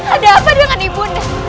ada apa dengan ibunda